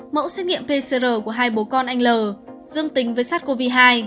mẫu xét nghiệm pcr của hai bố con anh l dương tính với sars cov hai